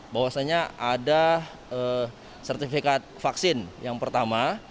bahwasannya ada sertifikat vaksin yang pertama